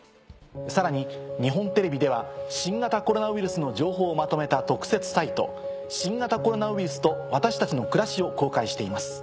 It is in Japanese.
さらに日本テレビでは新型コロナウイルスの情報をまとめた。を公開しています。